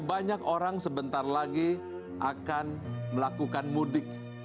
banyak orang sebentar lagi akan melakukan mudik